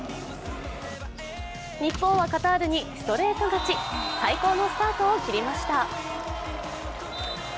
日本はカタールにストレート勝ち、最高のスタートを切りました。